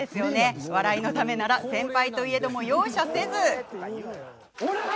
笑いのためなら先輩といえども容赦せず。